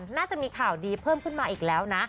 น่าจะมีข่าวดีเพิ่มขึ้นมาอีกแล้วนะ